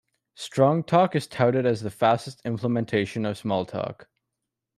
Strongtalk is touted as the fastest implementation of Smalltalk.